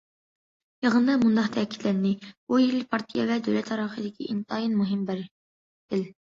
يىغىندا مۇنداق تەكىتلەندى: بۇ يىل پارتىيە ۋە دۆلەت تارىخىدىكى ئىنتايىن مۇھىم بىر يىل.